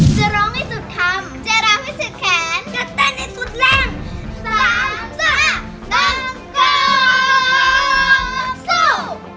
จะร้องให้สุดท่ำ